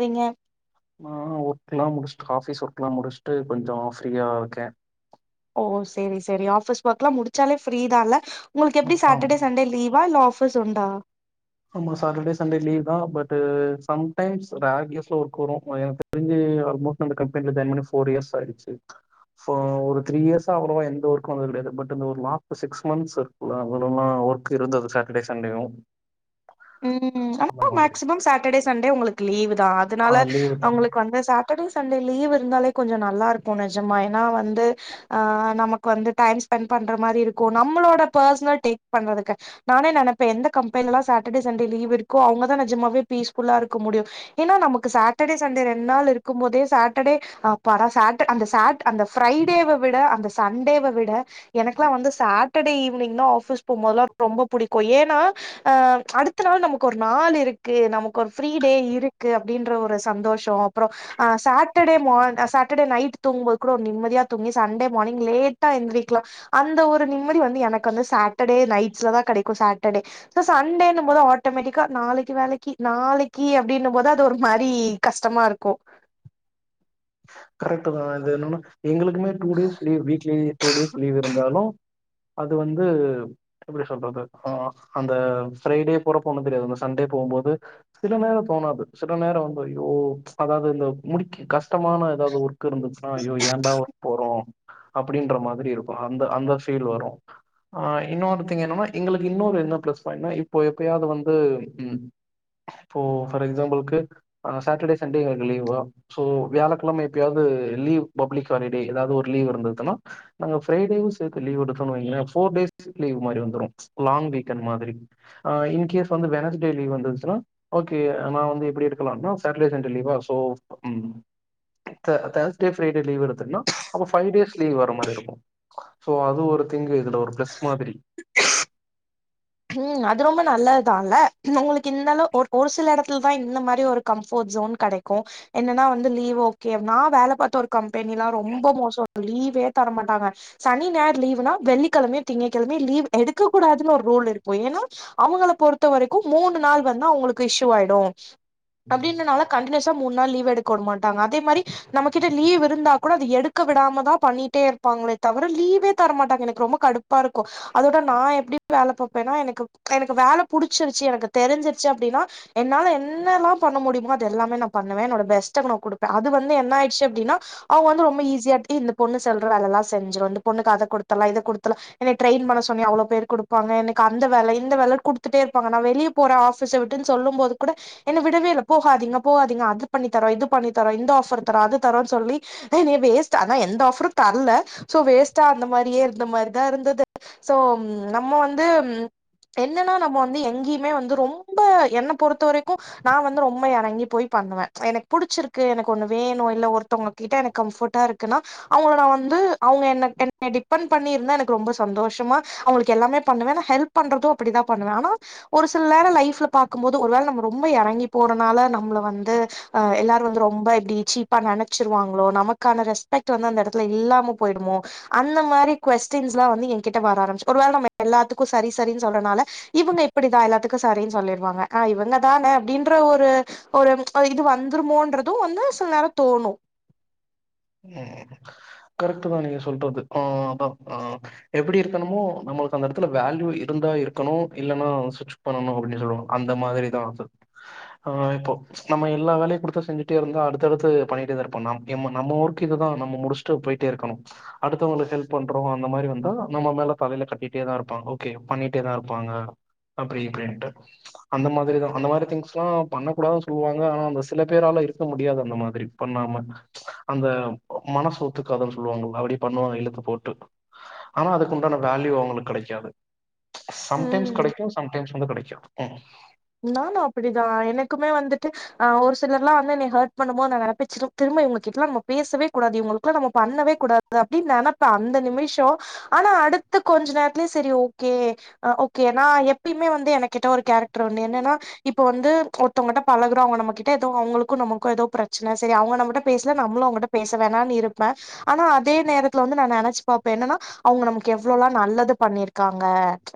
நீங்க நா ஒர்க்லா முடிச்சுட்டு ஆஃபீஸ் ஒர்க்லா முடிச்சுட்டு கொஞ்சோ ஃப்ரீயா இருக்கே ஓ சேரி சேரி ஆஃபிஸ் ஒர்க்லா முடிச்சாலே ஃப்ரீதா இல்ல உங்களுக்கு ஆமா எப்டி ஆமா சாட்டர்டே சண்டே லீவா இல்ல ஆஃபீ ஃபீஸ் உண்டா ஆமா சாட்டர்டே சண்டே லீவ் தா பட் சம்டைம்ஸ் ரேர் கேஸ்ல ஒர்க் வரு எனக்கு தெரிஞ்சு ஆல்மோஸ்ட் அந்த கம்பெனில ஜாயின் பண்ணி ஃபோர் இயர்ஸ் ஆயிடுச்சு ஒரு த்ரீ இயர்ஸ் அவ்வளவா எந்த ஒர்க்கு வந்தது கிடையாது பட் இந்த ஒரு லாஸ்ட் சிக்ஸ் மந்த்ஸ் இருக்குல்ல ஒர்க் இருந்தது சாட்டர்டே சண்டேயு உ அந்த ஆனா மாதிரி மேக்சிமம் சாட்டர்டே சண்டே உங்களுக்கு லீவு தா ஆ அதனால லீவு தா உங்களுக்கு வந்து டர்டே சண்டே லீவ் இருந்தாலே கொஞ்சோ நல்லா இருக்கு நெஜமா ஏனா வந்து ஆ நமக்கு வந்து டைம் ஸ்பெண்ட் பண்ற மாரி இருக்கு நம்மளோட பெர்சனல் டேக் பண்றதுக்கு நானே நினைப்பே எந்த கம்பெனிலலா சட்டர்டே சண்டே லீவ் இருக்கோ அவங்கதா நிஜமாவே பீஸ்ஃபுல்லா இருக்க முடியு ஏன்னா நமக்கு சாட்டர்டே சண்டே ரெண்டு நாள் இருக்கு போதே சாட்டர்டே அப்பாடா சாட்ட அந்த சாட் அந்த ஃபரைடேவ விட அந்த சண்டேவ விட எனக்குலா வந்து சாட்டர்டே ஈவினிங்னா ஆஃபீஸ் போம்போதுலா ரொம்ப பிடிக்கு ஏன்னா அ அடுத்த நாள் நமக்கு ஒரு நாள் இருக்கு நமக்கு ஒரு ஃப்ரீ டே இருக்கு அப்படின்ற ஒரு சந்தோஷோ அப்புற அ சாட்டர்டே மார் சாட்டர்டே நைட் தூங்கும்போது கூட ஒரு நிம்மதியா தூங்கி சண்டே மார்னிங் லேட்டா எந்துறிக்கலா அந்த ஒரு ம்மதி வந்து எனக்கு வந்து சாட்டர்டே நைட் ஸ்லதா கிடைக்கு சாட்டர்டே சோ சண்டேனு ம்போது ஆட்டோமேட்டிக்கா நாளைக்கு வேலைக்கு நாளைக்கு அப்டின்னும்போது அது ஒரு மாரி கஷ்டமா இருக்கு கரெக்டு தா இது என்னன்னா எங்களுக்குமே two days leave weekly two days leave இருந்தாலு அது வந்து எப்டி சொல்றது ஆ அந்த ப்ஃரைடே போறப்போனு தெரியாது அந்த சண்டே போம்போது சில நேரோ தோனாது சில நேரோ வந்து ஐயோ அதாவது இந்த முடிக்க கஸ் டமான ஏதாவது ஒரு ஓர்க் இருந்துச்சுன்னா ஐயோ ஏன்டா ஓர்க் போறோ அப்படின்ற மாதிரி இருக்கு அந்த அந்த ஃபீல் வரு ஆ இன்னொருத்திங் என்னன்னா எங்களுக்கு இன்னொரு என்ன பிளஸ்னா இப்ப எப்பாவது வந்து உ இப்போ ஃபார் எக்ஸாம்பில்கு ஆ சாட்டர்டே சண்டே எங்ளுக்கு லீவா சோ வியாழக்கெழம எப்பயாவது லீவ் பப்ளிக் ஹாலிடே ஏதாவது ஒரு லீவ் இருந்ததுன்னா நாங்க ஃப்ரைடே வு சேர்த்து லீவு எடுக்கரோனு வைங்களே ஃபோர் டேஸ் லீவ் மாரி வந்துரு லாங் வீக்ண்ட் மாதிரி ஆ இன்கேஸ் வந்து வெனஸ்டே லீவ் வந்துச்சுனா ஓகே நா வந்து எப்டி எடுக்கலானா சாட்டர்டே சண்டே லீவா சோ உ தே தேஸ்டே ஃப்ரைடே லீவ் எடுத்தன்னா அப்ப ஃபைவ் டேஸ் லீவ் வர மாரி இருக்கு சோ அது ஒரு இங்க இதுல ஒரு பிளஸ் மாதிரி ம் அது ரொம்ப நல்லதுதான்ல்ல உங்களுக்கு இந்தளவு ஒரு ஒரு சில இடத்துலதா இந்த மாதிரி ஒரு கம்ஃபோர்ட் ஜோன் கடைக்கு என்னன்னா வந்து லீவ் ஓகே நா வேலை பாத்த ஒரு கம் போக்கிங்லா ரொம்ப மோசோ லீவே தர மாட்டாங்க சனி ஞாயிறு லீவுனா வெள்ளிக்கிழமயு திங்ககிழமயு லீவ் எடுக்க கூடாதுனு ஒரு ரூல் இருக்கு பொய்னா அவங்கள பொறுத்த வரைக்கு மூணு நாள் வந்து அவங்களுக்கு இஷ்யூ ஆயிடு அப்பிடினால கண்டிநியூஸ் த மூனாள் லீ்வ் எடுக்க உட மாட்டாங்க அதே மாதிரி நமக்கிட்ட லீ்வ் இருந்தா கூட அத எடுக்க விடாமதா பண்ணிட்டே இருப்பாங்களே தவிர லீவே தர மாட்டாங்க எனக் ரொம்ப கடுப்பா இருக்கு அதோட நா எப்டி வேலை பாத் வேணா எனக்கு எனக்கு வேல புடிச்சிருச்சு எனக்கு தெரிஞ்சிருச்சு அப்டின்னா என்னால என்னெல்லா பண்ண முடியுமோ அது எல்லாமே நா பண்ணுவே என்னோட பெஸ்ட்டகுடுப்பே அது வந்து என்ன ஆயடுச்சு அப்டின்னா அவங்க வந்து ரொம்ப ஈஸியா இந்த பொண்ணு செல்ற வேலைல்லா செஞ்சுரு இந்த பொண்ணுகு அத குடுத்தர்லா இத குடுத்தர்லா எனக்கு ட்ரெயின் பண்ண சொன்னி அவ்ளோ பேர் குடுப்பாங்க எனக் க்கு அந்த வேல இந்த வேலனு குடுத்துடே இருப்பாங்க நா வெளிய போறே ஆஃபீஸ விட்டுனு சொல்லு போது கூட என விடவே இல்ல போகதிங்க போகாதிங்க அது பண்ணிதரோ இது பண்ணித்தரோ இந்த ஆஃபர் த்ரோ அது தரோ சொல்லி நீ வேஸ்ட் அனா எந்த ஆஃபரு தர்ல சோ வேண்டா அந்தமாரியே மாதிரிதா இருந்தது சோ நம்ம வந் ந்து என்னன்னா நம்ம வந்து எங்கேயுமே வந்து ரொம்ப என்ன பொறுத்த வரைக்கு நா வந்து ரொம்ப எனங்கி போய் பண்ணுவே எனக்கு புடிச்சிருக்கு எனக்கு ஒண்ணு வேணு இல்ல ஒருத்தவங்க கிட்ட எனக்கு கம்ஃபர்டா இருக்குன்னா அவங்கள நா வந்து அவங்க என்ன என் என்ன டிபண்ட் பண்ணி இருந்தா எனக்கு ரொம்ப சந்தோஷமா அவங்களுக்கு எல்லாமே பண்ணுவ ஹெல்ப் பண்றது அப்படிதா பண்ணுவே ஆனா ஒரு சில நேர லைஃப்ல பாக்கும்போது ஒரு வேல நம்ம ரொம்ப இறங்கி போறனால நம்மல வந்து எல்லாரும் வந்து ரொம்ப இப்டி சீப்பா பா நினைச்சிருவாங்களோ நமக்கான ரெஸ் வந்து அந்த இடத்துல இல்லாம போய்டுமோ அந்த மாரி கொஸ்டின்ஸ்லா வந்து என் கிட்ட வர ஆரம்பிச்சு ஒரு வேல நம்ம எல்லாத்துக்கும் சரி சரின்னு சொல்றனால இவங்க இப்படிதா எல்லாத்துக்கும் சரின்னு சொல்லிருவாங்க ஆ இவங்க தானே அப்படின்ற ஒரு ஒரு இது வந்து ந்துருமோன்றது வந்து சில நேரத்ல தோணு ம் கரெக்ட்தா நீங்க சொல்றது ஆ அதா ஆ எப்படி இருக்கணுமோ நம்மளுக்கு அந்த இடத்துல வேல்யூ இருந்தா இருக்கணு இல்லைன்னா சுச் பண்ணணு அப்படின்னு சொல்லுவாங்க அந்த மாதிரிதா அது ஆ இப்போ நம்ம எல்லா வேலையு குடுத்த செஞ்சிட்டே இருந்தா அடுத்தடுத்து பண்ணிட்டே தா இருப்பாங்க ந நம்ம ஊரு க்கிதுதா நம்மோட முடிச்சுட் போயிட்டே இருக்கணு அடுத்தவங்களுக்கு ஹெல்ப் பண்றோ அந்த மாதிரி வந்தா நம்ம மேல தலையில கட்டிட்டே தா இருப்பாங்க ஓகே பண்ணிட்டேதா இருப்பாங்க அப்டிஇப்டின்ட்டு அந்த மாதிரி தா அந்த மாரி திங்ஸ்லா பண்ண கூட சொல்லுவாங்க ஆனா அந்த சில பேரால இருக்க முடியாது அந்த மாதிரி பண்ணாம அந்த மனசு ஒத்துக்காதுன்னு சொல்லுவாங்க அப்டி பண்ணுவாங்க இழுத்து போட்டு ஆனா அதுக்கு உண்டான வேல்யூ அவங்களுக்கு கிடைக்காது சம்டைம்ஸ் ம் கிடைக்கு சம்டைம்ஸ் வந்து கிடைக்கு நானு அப்படிதா எனக்குமே வந்துட்டு ஆ ஒரு சிலர்ல்லா வந்து என்னை ஹர்ட் பண்ணு போது நா நினப்பே திரும்ப இவங்க கிட்டல்லா நம்ம பேசவே கூடாது இவங்களுக்குள்ள நம்ம பண்ணவே கூடாது அப்படின்னு நினப்பே அந்த நிமிஷோ ஆனா அடுத்து கொஞ்ச நேரத்துலயே சரி ஓகே ஓகே நா எப்பயுமே வந்து என கிட்ட ஒரு கேரக்ட் ட்டரு ஒன்னு என்னன்னா இப்ப வந்து ஒருத்தவங்கிட்ட பலகரோ அவங்க நம்மகிட்ட ஏதோ அவங்களுக்கு நமக்கு ஏதோ பிரச்சனை சரி அவங்க நம்மிட்ட பேசல நம்மளு அவங்ககிட்ட பேச வேணாம்னு இருப்பே ஆனா அதே நேரத்துல வந்து நா நினைச்சு பாாரப்பே என்னன்னா அவங்க நமக்கு எவ்வளவு எல்லா நல்லது பண்ணிருக்காங்க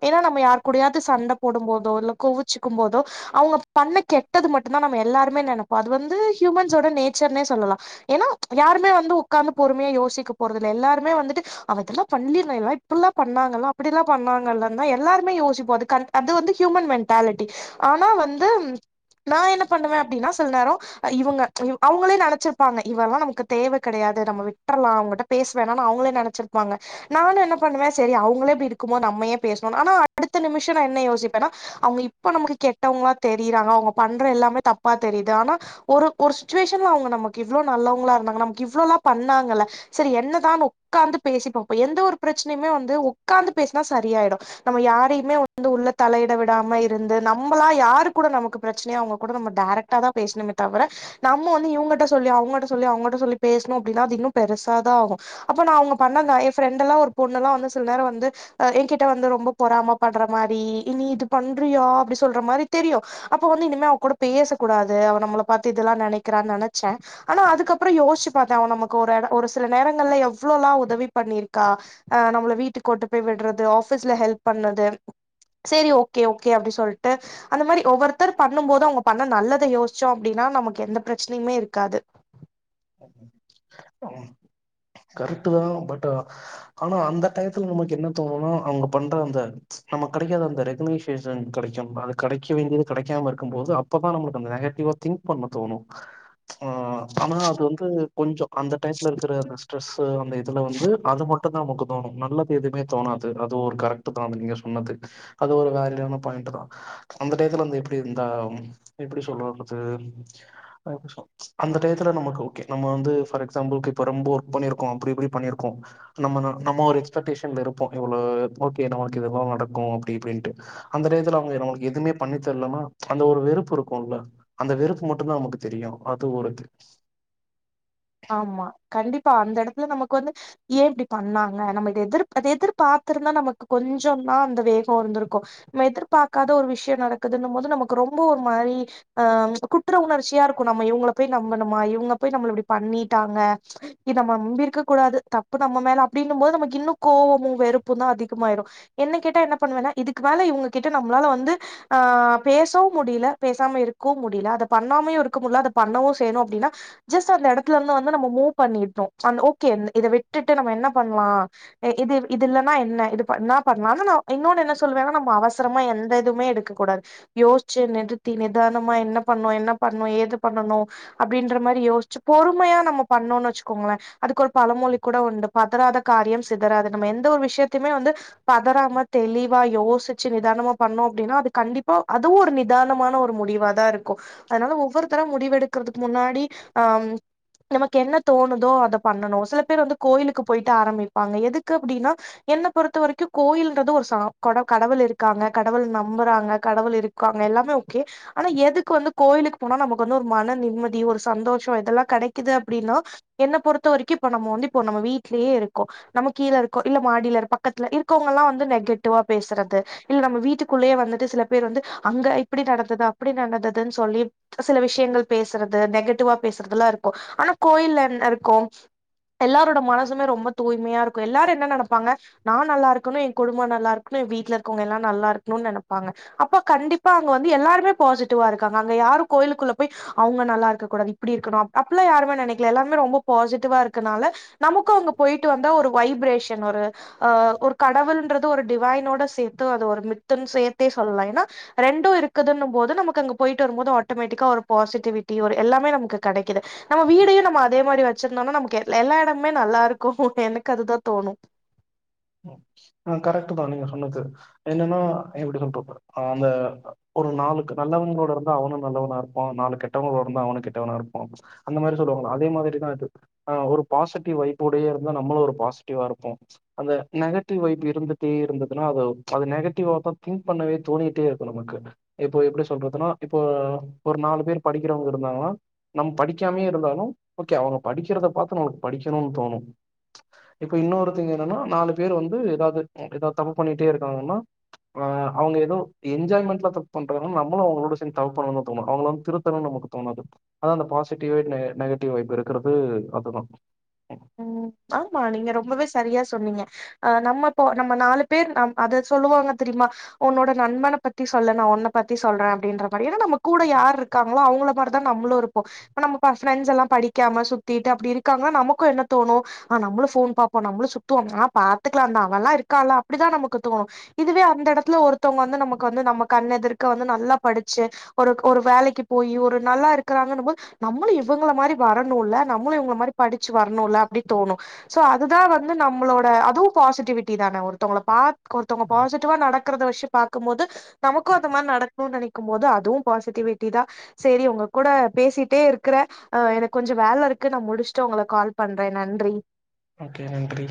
ஏன்னா நம்ம யாரு கூடடியாவது சண்ட போடு போதோ இல்ல கோவு ச்சுக்கு போதோ அவங்க பண்ண கெட்டது மட்டும்தா நம்ம எல்லாருமே நினைப்போ அது வந்து ஹூமன்ஸோட நேச்சர்னே சொல்லலா ஏன்னா யாருமே வந்து உட்கார்ந்து பொறுமையா யோசிக்க போறத இல எல்லாருமே வந்துட்டு அதெல்லா பண்ணிருந்தல்ல இப்டில்லா பண்ணாங்களே அப்டில்லா பண்ணாங்களேனு தா எல்லாருமே யோசிப்போ அது வந்து ஹியூமன் மென் டாலிடி ஆனா வந்து நா என்ன பண்ணுவே அப்டின்னா சில நேரோ இவங்க அவங்களே நினச்சிருப்பாங்க இவெல்லா நமக்கு தேவ கிடையாது நம்ம விட்டுறலா அவங்கிட்ட பேசுவேணானு அவங்களே நினைச்சிருப்பாங்க நானு என்ன பண்ணுவே செரி அவங்களே அப்படி இருக்குமோ நம்மையே பேசணு ஆனா அடுத்த நிமிஷோ நா என்ன யோசிப்பேன்னா அவங்க இப்ப நமக்கு கெட்டவங்களா தெரியறாங்க அவங்க பண்ற எல்லாமே தப்பா தெரியுது ஆனா ஒரு ஒரு சுச்சுவேஷன்ல அவங்க நமக்கு இவ்ளோ நல்லவங்களா இருந்தாங்க நமக்கு இவ்ளோல்லா பண்ணாங்கல்ல சரி என்னதா உக்காந்து பேசி பாார்போ எந்த ஒரு பிரச்சனையுமே வந்து உக்காந்து பேசினா சரியாயிடு நம்ம யாரையுமே வந்து உள்ள தலையிட விட் டாம இருந்து நம்ளா யாரு கூட நமக்கு பிரச் சனையோ அவங்க கூட நம்ம டெரெக்டா தா பேசணுமே தவிர நம்ம வந்து இவங்கிட்ட சொல்லி அவங்க சொல்லி அவங்கிட்ட சொல்லி பேசணு அப்படின்னா அது இன்னு பெருசாதா ஆகு அப்ப நா அவங்க பண்ணத என் ஃப்ரெண்டல்லா ஒரு பொண்ணுல்லா வந்து சில நேரோ வந்து என் கிட்ட வந்து ரொம்ப பொறாம படற மாதிரி இனி இது பண்றியா அப்டி சொல்ற மாரி தெரியு அப்ப வந்து இனிமே அவ கூட பேச கூடாது அவ நம்மள பார்த்து இதெல்லா நினைக் கல்குரா நா நினைச்சே ஆனா அதுக்கப்புறோ யோசிச்பாத்தே அவ நமக் ஒரு சில நேரங்கள்ல எவ்ளவுளா உதவி பண்ணிருக்கா நம்ம வீட்டுக்குட்டு போய் விடுறதுப ஆஃபிஸ்ல ஹெல்ப் பண்ணது செரி ஓகே ஓகே அப்டி சொல்லிட்டு அந்த மாரி ஒவொராத்தர் பண்ணு போது அவங்க பண்ண நல்லத யோசி ஷோ அப்டின்னா நமக்கு எந்த பிரச்சனையுமே இருக்காது அ கரெக்ட் தா பட் ஆனா அந்த டயத்துல நமக்கு என்ன தோணும்னா அவங்க பண்ற அந்த நம கிடைக்காத அந்த ரெகக்னேஷன் கிடைக்கு அது கிடைக்க வேண்டியது கிடைக்காம இருக்கும்போது அப்பதா நம்ளுக்கு அந்த நெகட்டிவா திங்க் பண்ண தோணு ஆ ஆனா வந்து கொஞ்சோ அந்த டயத்துல இருக்கிற அந்த ஸ்ட்ரெஸ்ஸு அந்த இதுல வந்து அது மட்டும்தா நமக்கு தோணு நல்லது எதுமே தோணாது அது ஒரு கரெக்ட் தா நீங்க சொன்னது அது ஒரு வேலிடான பாயிண்ட் தா அந்த டயத்துல எப்டி இர்ந்த எப்டி சொல்ரது அந்த டயத்துல நமக்கு கே நம்ம வந்து ஃபார் எக்ஸாம்பிளுக்கு இப்ப ரொம்ப ஒர்க் பண்ணிருக்கோ அப்டி இப்டி பண்ணிருக்கோ நம்ம நம்ம ஒரு எக்ஸ்பெக்டேஷன்ல இருப்போ இவ்ளோ ஓகே நம்ளுக்கு இதுலா நடக்கு அப்டி இப்டின்ட்டு அந்த டயத்துல அவங்க நமக்கு எதுமே பண்ணி தரலனா அந்த ஒரு வெறுப்பு இருக்கும்ல்ல அந்த வெறுப்பு மட்டுும்தா நமக்கு தெரியு அது ஒரு ஆமா கண்டிப்பா அந்த எடத்துல நமக்கு வந்து ஏ இப்டி பண்ணாங்க நம்ம இத எதிர்பார்த்துருந்தா நமக்கு அது கொஞ்சந்தா அந்த வேகோ இருந்திருக்கு நம்ம எதிர்பார்க்காத ஒரு விஷயோ நடக்குதுன்ன போது நமக்கு ரொம்ப ஒரு மாரி ஆ குற்ற உணர்ச்சியா இருக்கு நம்ம இவங்கள போய் நம்ம இவங்கள போய் நம்புனமா இவங்க போய் நம்மள இப்டி பண்ணிட்டாங்க இது நம்ம நம்பிருக்க கூடாது தப்பு நம்ம மேல அப்டின்னும் போது நமக்கு இன்னு கோவமு வெறுப்புந்தா அதிகமாயிரு என்ன கேட்டா என்ன பண்ணுவேன்னா இதுக்கு மேல இவங்ககிட்ட நம்மளால வந்து ஆ பேசவு முடில பேசாம இருக்கவு முடில அத பண்ணாமயு இருக்க முடில அத பண்ணவு செய்யணு அப்டின்னா ஜஸ்ட் அந்த எடத்த ட்லருந்து வந்து நம்ம மூவ் பண்ணிட்னு ஆன் ஓகே இத விட்டுட்டு நம்ம என்ன பண்லா இது இது இல்லன்னா என்ன இது பன்னா பண்லானு நா இன்னொன்னு என்ன சொல்லுவேனா நம்ம அவசரமா எந்த எதுவுமே எடுக்க கூடாது யோசிச்சு நிறுத்தி நிதானமா என்ன பண்ணு என்ன பண்ணு ஏது பண்னணு அப்டின்ர மாரி யோசிச்சு பொறுமையா நம்ம பண்ணோம்னு வச்ச கோங்களே அதுக்கு ஒரு பழமொழி கூட உண்டு பதறாத காரியம் சிதறாது நம்ம எந்த ஒரு விஷயத்தையுமே வந்து பதறாம தெளிவா யோசிச்சு நிதானமா பண்ணோ அப்டின்னா அது கண்டிப்பா அதுவு ஒரு நிதானமான ஒரு முடிவா தா இருக்கு அதனால ஒவ்வொரு தரோ முடிவு எடுக்ரதுக்கு முன்னாடி ஆம் நமக்கு என்ன தோணுதோ அத பண்ணணு சில பேர் வந்து கோயிலுக்கு போயிட்டு ஆரம்பிப்பாங்க எதுக்கு அப்டின்னா என்ன பொறுத்த வரைக்கு கோயில்ன்றது ஒரு சா கொட கடவுள் இருக்காங்க கடவுள் நம்புறாங்க கடவுள் இருக்காங்க எல்லாமே ஓகே ஆனா எதுக்கு வந்து கோயிலுக்கு போனா நமக்கு வந்து ஒரு மன நிம்மதி ஒரு சந்தோஷோ இதெல்லா கெடைக்குது அப்டின்னா என்ன பொறுத்த வரைக்கு இப்ப நம்ம வந்து இப்போ நம்ம வீட்லயே இருக்கோ நம்ம கீழ இருக்கோ இல்ல மாடில பக்கத்துல இருக்கவங்கல்லா வந்து நெகட்டிவா பேசுறது இல்ல நம்ம வீட்டுக்குள்ளேயே வந்துட்டு சில பேர் வந்து அங்க இப்டி நடந்துது அப்டி நடந்ததுன்னு சொல்லி சில விஷயங்கள் பேசுறது நெகட்டிவா பேசுறதெல்லா இருக்கு க்கு ஆனா கோயில்ல என்ன இருக்கு எல்லாரோட மனசுமே ரொம்ப தூய்மையா இருக்கு எல்லாரு என்ன நெனைப்பாங்க நா நல்லா இருக்கணு எ குடும்போ நல்லா இருக்கணு எ வீட்டுல இருக்கவங்க எல்லா நல்லா இருக்கணும்னு நெனைப்பாங்க அப்ப கண்டிப்பா அங்க வந்து எல்லாருமே பாசிட்டிவா இருங்காங்க அங்க யாரு கோயிலுக்குள்ள போய் அவங்க நல்லா இருக்ககூடாது இப்டி இருக்கனு அப் அப்பில்லா யாருமே நெனைக்கல எல்லாருமே ரொம்ப பாசிட்டிவா இருக்கனால நமக்கு அங்க போயிட்டு வந்தா ஒரு வைப்ரேஷன் ஒரு ஆ ஒரு கடவுள்ன்றது த்து ஒரு டிவய்னோட சேத்து அது ஒரு மித்துனு சேத்தே சொல்லலா ஏனா ரெண்டு இருக்குனும்போது நமக்கு அங்க போய்டு வரும்போது ஆட்டோமேடிக்கா ஒரு பாஸ்டிவிட்டி ஒரு எல்லாமே நமக்கு கெடக் க்கிது நம்ம வீடயு நம்ம அதே மாரி வச்சிருந்தோனா நமக்கு எல் எல்லா எடமே நல்லா இருக்கு எனக்கு அதுதா தோணு ஆ கரெட்டு தா நீங்க சொன்து என்னனா எப்டி சொல்றது அந்த ஒரு நாளுக்கு நல்லவங்களோட இருந்தா அவனு நல்லவனா இருப்பா நாலு கெட்டவங்கூட இருந்தா அவனு கெட்டவனா இருப்பா அந்த மாரி சொல்லுவாங்கல்ல அதே மாதிரிதா இது ஆ ஒரு பாசிட்டிவ் வைப்போடயே இருந்தா நம்மளு ஒரு பாசிட்டிவா இருப்போ அந்த நெகட்டிவ் வைப் இருந்துட்டே இருந்துதுனா அது அது நெகட்டிவா தா திங்க் பண்ணவே தோணிட்டே இருக்கு நமக்கு இப்போ எப்டி சொல்றதுனா இப்போ ஒரு நாலு பேர் படிக்கிறவுங்க இருந்தாங்கனா நம்ம படிக்காமயே இருந்தாலு ஓகே அவங்க படிக்கிறத பாத்து நம்ளுக்கு படிக்கணுனு தோணு இப்ப இன்னொருதங்க என்னன்னா நாலு பேர் வந்து ஏதாவது ஏதார்தமா தப்பு பண்ணிட்டே இருக்காங்கன்னா அ அவங்க ஏதோ என்ஜாய்மெண்ட்ல தப்பு பண்றாங்கன் நம்மளு அவங்களோட சேந்து தப்பு பண்ணுனுதா தோணு அவங்கள வந்து திருத்தணும்னு நமக்கு தோணாது அதா அந்த பாசிட்டிவ் வைப் நெகட்டிவ் வைப் இருக்கிறது அதுதா உ ஆமா நீங்க ரொம்பவே சரியா சொன்னீங்க ஆ நம்ம இப்போ நம்ம நாலு பேர் நம் அத சொல்வாங்க தெரியுமா உன்னோட நண்பன பத்தி சொல்ல நா ஒன்ன பத்தி சொல்றே அப்படின்ற மாரி ஏனா நம்ம கூட யாரு இருக்காங்களோ அவ்கள மாரி தா நம்ளு இருப்போ இப்ப நம்ம ப ஃப்ரெண்ட்ஸ் எல்லா படிக்காம சுத்திட்டு அப்டி இருக்காங்னா நமக்கூ என்ன தோனு ஆ நம்மளு ஃபோன் பாப்போ நம்லு சுத்துவோ ஆ பாத்கலா அவல்லா இருக்கால அப்படிதா நமக்கு தோணு இதுவே அந்த எடத்துல ஒருத்தவங்க வந்து நமக்கு வந்து நம்ம கண்ண எதிர்க வந்து நல்லா படிச்சி ஒரு ஒரு வேலைக்கு போய் ஒரு நல்லா இருக்கறாங்கனும்போது நம்ளு இவங்கள மாரி வரணுல நம்மளு இவங்கல மாரி படிச்சி வரணு ப்டி தோணு ஸோ அதுதா வந்து நம்மளோட அதுவு பாசிட்டிவிட்டி தானே ஒருத்தவங்கள பாத் ஒருத்தவங்க பாசிட்டிவா நடக்கறத வச்சி பாக்கு போது நமக்கு அந்த மாரி நடக்கு நினைக்கு போது அதுவு பாசிட்டிவிட்டி தா சேரி உங்க கூட பேசிட்டே இருக்கிற எனக்கு கொஞ்ச வேல இருக்கு நா முடிச்ட்டு உங்கள கால் பண் க்றே நன்றி ஓகே நன்றி